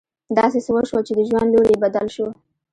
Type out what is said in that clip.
داسې څه وشول چې د ژوند لوری يې بدل شو.